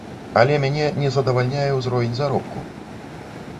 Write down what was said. Але мяне не задавальняе ўзровень заробку.